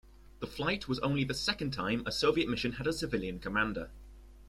The flight was only the second time a Soviet mission had a civilian commander.